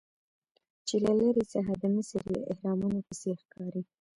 چې له لرې څخه د مصر د اهرامونو په څیر ښکاري.